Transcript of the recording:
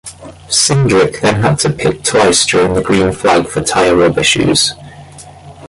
Cindric then had to pit twice during the green flag for tire rub issues.